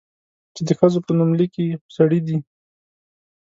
چې د ښځو په نوم ليکي، خو سړي دي؟